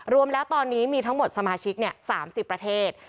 รวมแล้วตอนนี้มีทั้งหมดสมาชิก๓๐ประเทศ